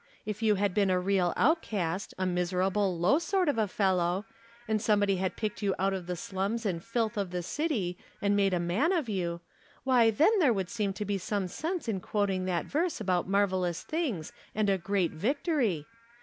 If you had been a real outcast — a miserable, low sort of a fellow — and somebody had picked you out of the slums and filth of the city and made a man of you, why then there would seem to be some sense in quoting that verse about marvelous things and a ' great victory.'